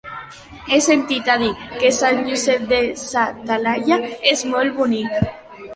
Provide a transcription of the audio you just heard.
He sentit a dir que Sant Josep de sa Talaia és molt bonic.